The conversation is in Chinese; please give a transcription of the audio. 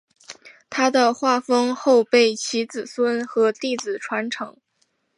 他的画风后被其子孙和弟子传承。